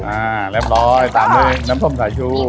อ่าเรียบร้อยตามด้วยน้ำส้มสายชู